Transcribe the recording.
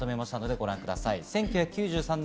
ご覧ください。